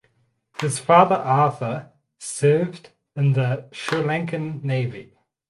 His father Arthur served in the Sri Lankan Navy.